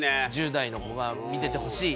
１０代の子が見ててほしい。